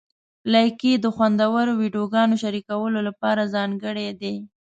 لایکي د خوندورو ویډیوګانو شریکولو لپاره ځانګړی دی.